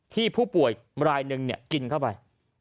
ที่ผู้ป่วยรายหนึ่งกินเข้าไป